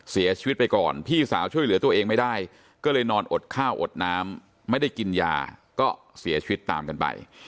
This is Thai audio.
เสียชีวิตไปก่อนพี่สาวช่วยเหลือตัวเองไม่ได้ก็เลยนอนอดข้าวอดน้ำไม่ได้กินยาก็เสียชีวิตตามกันไป